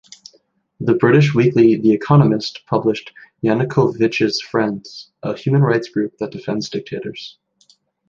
The British weekly "The Economist" published "Yanukovich's friends: A human-rights group that defends dictators".